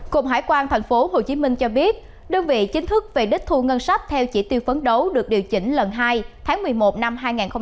cục hải quan tp hcm cho biết đơn vị chính thức về đích thu ngân sách theo chỉ tiêu phấn đấu được điều chỉnh lần hai tháng một mươi một năm hai nghìn hai mươi